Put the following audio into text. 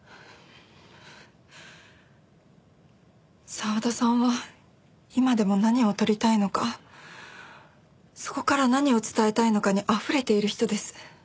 澤田さんは今でも何を撮りたいのかそこから何を伝えたいのかにあふれている人です。